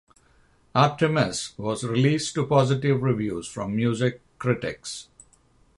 Artemis was released to positive reviews from music critics.